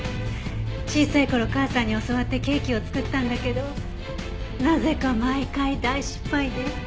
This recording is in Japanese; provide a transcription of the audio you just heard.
小さい頃母さんに教わってケーキを作ったんだけどなぜか毎回大失敗で。